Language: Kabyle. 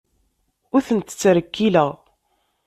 Ur tent-ttrekkileɣ.